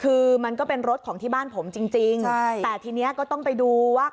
คือมันก็เป็นรถของที่บ้านผมจริงจริงใช่แต่ทีนี้ก็ต้องไปดูว่า